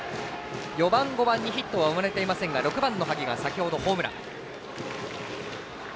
４番、５番にヒットは生まれていませんが６番の萩が先ほどホームラン。